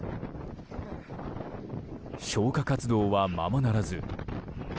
消火活動はままならず。